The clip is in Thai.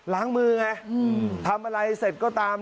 ล้างมือไงทำอะไรเสร็จก็ตาม